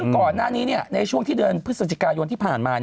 ก่อนหน้านี้ในช่วงที่เดือนพฤศจิกายนที่ผ่านมา